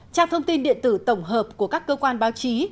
trang thông tin điện tử tổng hợp của các cơ quan báo chí